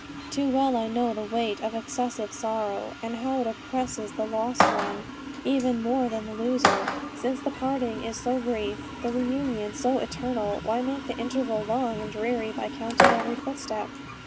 Too well I know the weight of excessive sorrow, and how it oppresses the lost one, even more than the loser. Since the parting is so brief, the reunion so eternal, why make the interval long and dreary by counting every footstep?